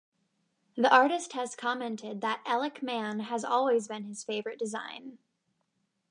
The artist has commented that Elec Man has always been his favorite design.